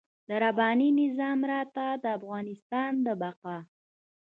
د رباني نظام راته د افغانستان د بقا.